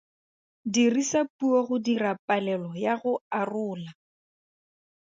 Dirisa puo go dira palelo ya go arola.